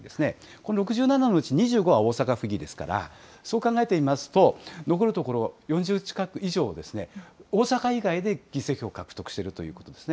この６７のうち、２５は大阪府議ですから、そう考えてみますと、残るところ、４０以上、大阪以外で議席を獲得しているということですね。